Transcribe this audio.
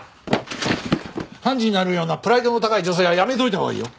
判事になるようなプライドの高い女性はやめておいたほうがいいよ。